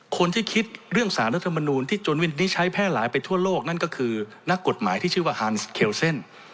คนที่คิดเรื่องสารรัฐมนูลที่จนได้ใช้แพร่หลายไปทั่วโลกนั่นก็คือนักกฎหมายที่ชื่อว่าฮานส์เคลเซ่น